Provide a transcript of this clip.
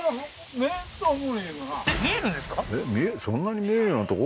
えっそんなに見えるようなとこ？